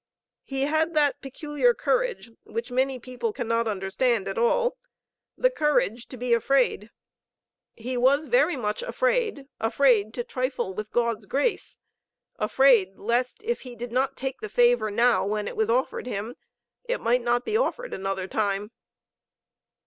He had that peculiar courage, which many people cannot understand at all, the courage to be afraid. He was very much afraid, afraid to trifle with God's grace, afraid lest if he did not take the favor now when it was offered him, it might not be offered another time.